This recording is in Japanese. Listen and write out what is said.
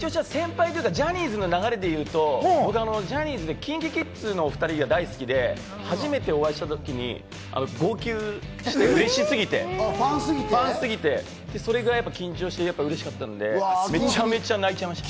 ジャニーズの流れでいうと、ジャニーズでＫｉｎＫｉＫｉｄｓのお２人が大好きで、初めてお会いした時に号泣して、嬉しすぎて、ファンすぎて、それぐらいやっぱり緊張してうれしかったので、めちゃめちゃ泣いちゃいました。